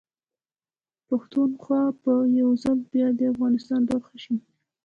پښتونخوا به يوځل بيا ده افغانستان برخه شي